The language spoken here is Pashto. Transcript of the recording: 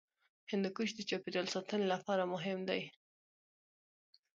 هندوکش د چاپیریال ساتنې لپاره مهم دی.